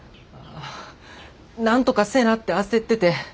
なんとかせなって焦ってて。